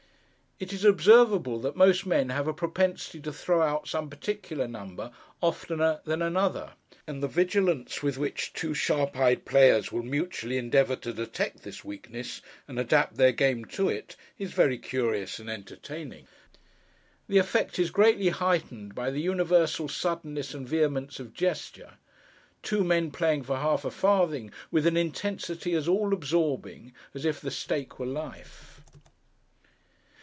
It is observable that most men have a propensity to throw out some particular number oftener than another; and the vigilance with which two sharp eyed players will mutually endeavour to detect this weakness, and adapt their game to it, is very curious and entertaining. The effect is greatly heightened by the universal suddenness and vehemence of gesture; two men playing for half a farthing with an intensity as all absorbing as if the stake were life.